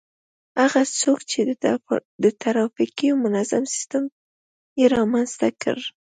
هغه څوک چي د ترافیکو منظم سیستم يې رامنځته کړ